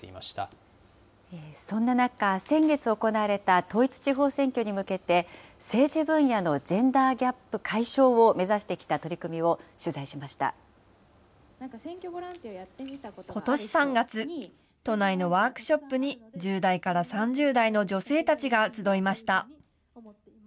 そんな中、先月行われた統一地方選挙に向けて、政治分野のジェンダーギャップ解消を目指してきた取り組みを取材ことし３月、都内のワークショップに１０代から３０代の女性たちが集いました。